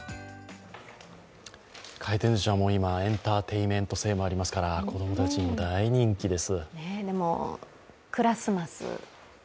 回転ずしは今、エンターテイメント性がありますから、子供たちにも大人気です。